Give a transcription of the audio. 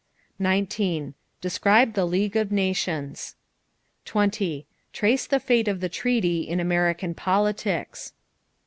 19. Describe the League of Nations. 20. Trace the fate of the treaty in American politics.